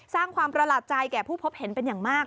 สร้างความประหลาดใจแก่ผู้พบเห็นเป็นอย่างมาก